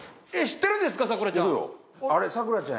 知ってるんですか？